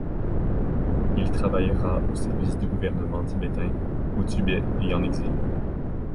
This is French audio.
Il travaillera au service du gouvernement tibétain au Tibet et en exil.